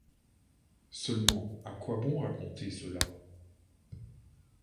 Seulement, à quoi bon raconter cela?